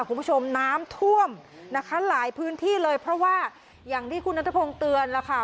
คุณผู้ชมน้ำท่วมนะคะหลายพื้นที่เลยเพราะว่าอย่างที่คุณนัทพงศ์เตือนแล้วค่ะ